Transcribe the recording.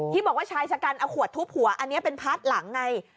บอกว่าชายชะกันเอาขวดทุบหัวอันนี้เป็นพาร์ทหลังไง